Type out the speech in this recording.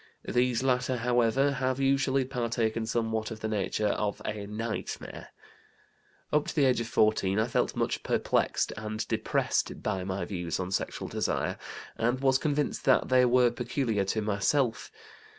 These latter, however, have usually partaken somewhat of the nature of a nightmare! "Up to the age of 14 I felt much perplexed and depressed by my views on sexual desire, and was convinced that they were peculiar to myself.